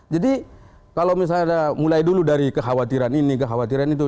jadi kalau misalnya mulai dulu dari kekhawatiran ini kekhawatiran itu